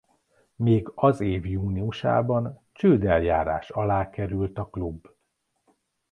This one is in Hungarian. Még az év júniusában csődeljárás alá került a klub.